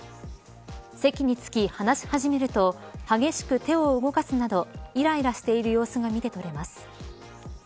席につき、話し始めると激しく手を動かすなどいらいらしている様子が見てとれます。